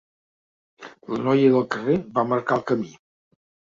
La noia del carrer va marcar el camí.